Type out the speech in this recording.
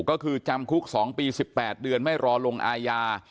ก็คือจำคุก๒ปี๑๘เดือนไม่รอลงอาญา